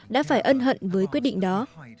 đã phải ân hận với quyết định đó